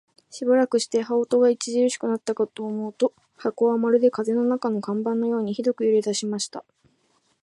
しばらくして、羽音が烈しくなったかと思うと、箱はまるで風の中の看板のようにひどく揺れだしました。